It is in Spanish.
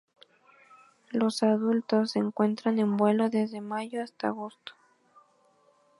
Los adultos se encuentran en vuelo desde mayo hasta agosto.